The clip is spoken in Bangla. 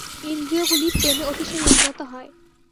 ইন্দ্রিয়গুলি প্রেমে অতিশয় উন্নত হয়।